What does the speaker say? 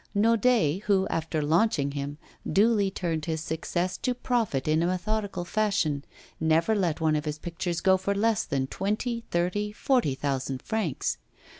Naudet, who, after launching him, duly turned his success to profit in a methodical fashion, never let one of his pictures go for less than twenty, thirty, forty thousand francs.